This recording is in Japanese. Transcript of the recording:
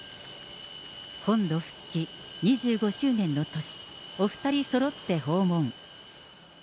本土復帰２５周年の年、お２人そろって訪問。